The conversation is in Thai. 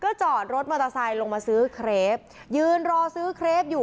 จอดรถมอเตอร์ไซค์ลงมาซื้อเครปยืนรอซื้อเครปอยู่